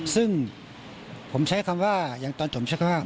ซึ่งผมใช้คำว่าอย่างตอนจบช่างภาพ